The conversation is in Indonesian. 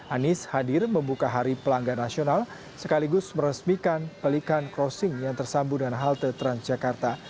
anies hadir membuka hari pelanggan nasional sekaligus meresmikan pelikan crossing yang tersambung dengan halte transjakarta